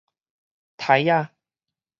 篩仔